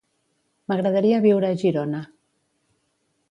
M'agradaria viure a Girona.